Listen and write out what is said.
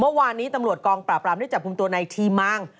เมื่อวานนี้ตำรวจกองปราบรามได้จับกลุ่มตัวในทีมาง